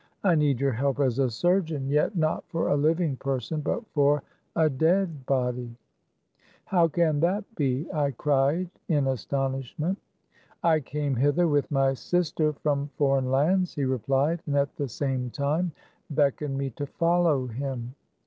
" I need your help as a surgeon ; yet not for a living person, but for a dead body." " How can that be ?" I cried in astonishment. "I came hither with my sister from foreign lands," he replied, and at the same time beck oned me to follow him.